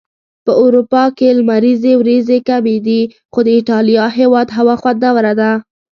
په اروپا کي لمريزي ورځي کمی وي.خو د ايټاليا هيواد هوا خوندوره ده